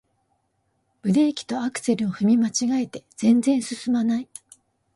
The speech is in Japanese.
ブレーキとアクセルを踏み間違えて全然すすまない